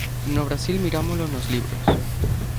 No Brasil mirámolo nos libros.